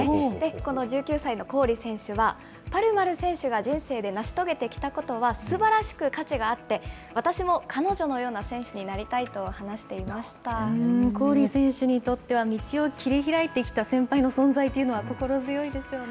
この１９歳のコーリ選手は、パルマル選手が人生で成し遂げてきたことは、すばらしく価値があって、私も彼女のような選手になりたいコーリ選手にとっては、道を切り開いてきた先輩の存在というのは心強いでしょうね。